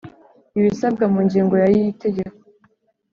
Ibisabwa mu ngingo ya y itegeko